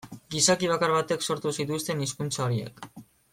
Gizaki bakar batek sortu zituzten hizkuntza horiek.